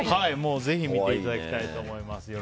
ぜひ見ていただきたいと思います。